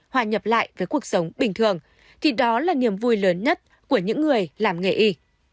hòa nhập lại với cuộc sống bình thường thì đó là niềm vui lớn nhất của những người làm nghề y